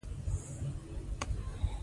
مطالعه د انسان ذهن روښانه کوي.